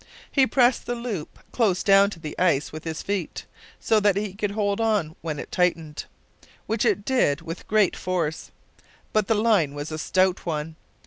He pressed the loop close down to the ice with his feet, so that he could hold on when it tightened, which it did with great force. But the line was a stout one.